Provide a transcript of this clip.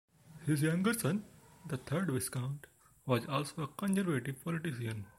His younger son, the third Viscount, was also a Conservative politician.